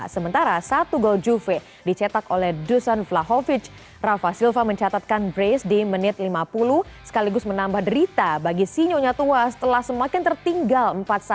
sementara satu gol juve dicetak oleh dusan flahovic rafa silva mencatatkan brace di menit lima puluh sekaligus menambah derita bagi sinyonya tua setelah semakin tertinggal empat satu